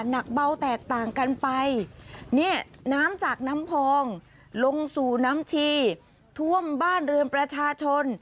หนักเบาแตกต่างกันไปเนี่ยน้ำจากน้ำพองลงสู่น้ำชีท่วมบ้านเรือนประชาชน